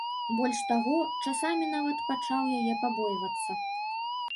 Больш таго, часамі нават пачаў яе пабойвацца.